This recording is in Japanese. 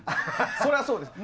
そりゃそうです。